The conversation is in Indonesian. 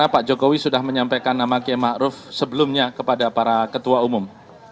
pak jokowi sudah menyampaikan nama kiai ⁇ maruf ⁇ sebelumnya kepada para ketua umum